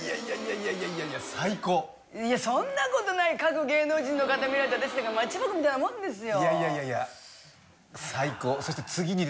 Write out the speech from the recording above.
いやいやいやいやそんなことない各芸能人の方見られて私なんかマッチ箱みたいなもんですよ